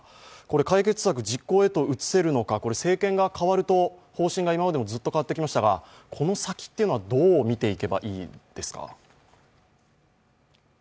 解決策、実行へと移せるのか、政権が変わると方針が今までもずっと変わってきましたが、この先というのはどう見ていけばいいですか？